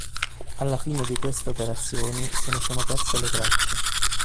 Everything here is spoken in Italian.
Alla fine di queste operazioni se ne sono perse le tracce.